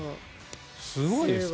すごいですね。